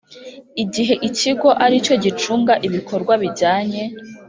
Igihe ikigo ari cyo gicunga ibikorwa bijyanye